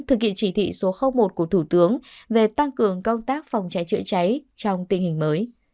thực hiện chỉ thị số một của thủ tướng về tăng cường công tác phòng cháy chữa cháy trong tình hình mới